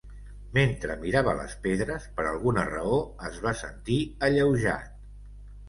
Mentre mirava les pedres, per alguna raó, es va sentir alleujat.